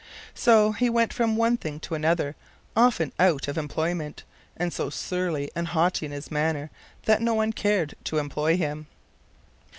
So he went from one thing to another, often out of employment, and so surly and haughty in his manner that no one cared to employ him.